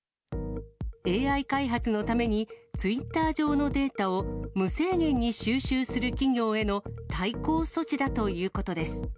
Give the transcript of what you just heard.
ＡＩ開発のために、ツイッター上のデータを、無制限に収集する企業への対抗措置だということです。